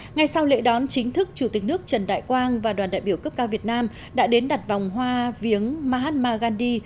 ngay sau lễ đón chính thức chủ tịch nước trần đại quang và đoàn đại biểu cấp cao việt nam đã đến đặt vòng hoa viếng mahatma gandhi